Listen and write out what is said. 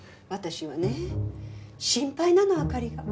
私はね心配なの灯が。